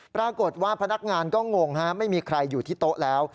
พนักงานก็งงฮะไม่มีใครอยู่ที่โต๊ะแล้ว